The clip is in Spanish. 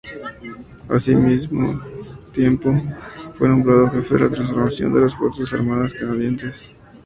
Al mismo tiempo, fue nombrado Jefe de la transformación de las fuerzas armadas canadienses.